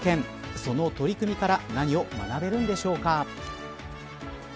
その取り組みから何を学べるのでしょうか。